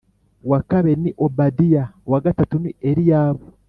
uwa kabiri ni Obadiya uwa gatatu ni Eliyabu